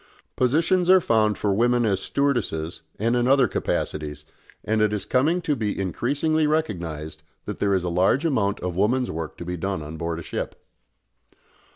Positions are found for women as stewardesses and in other capacities, and it is coming to be increasingly recognised that there is a large amount of women's work to be done on board a ship.